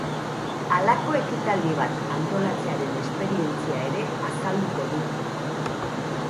Halako ekitaldi bat antolatzearen esperientzia ere azalduko du.